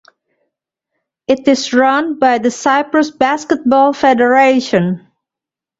It is run by the Cyprus Basketball Federation.